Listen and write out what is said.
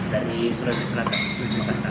dari sulawesi selatan ke makassar